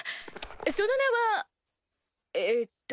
その名はえっと。